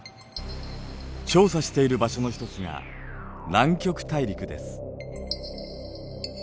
調査している場所の一つが南極大陸です。